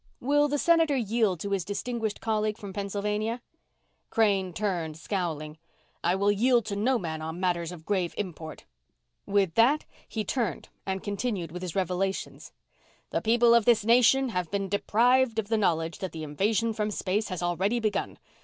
"Will the Senator yield to his distinguished colleague from Pennsylvania?" Crane turned, scowling. "I will yield to no man on matters of grave import." With that he turned and continued with his revelations. "The people of this nation have been deprived of the knowledge that the invasion from space has already begun.